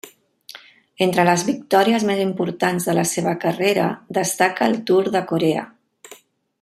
Entre les victòries més importants de la seva carrera destaca el Tour de Corea.